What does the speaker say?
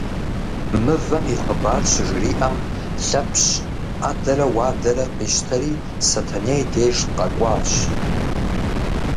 Мывэм и хъыбар щыжриӏэм, Лъэпщ ӏэдэрэ уадэрэ къищтэри Сэтэней деж къэкӏуащ.